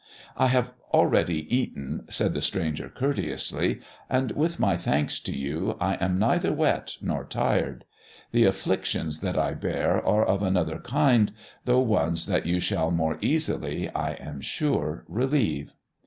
"I have already eaten," said the stranger courteously, "and, with my thanks to you, I am neither wet nor tired. The afflictions that I bear are of another kind, though ones that you shall more easily, I am sure, relieve."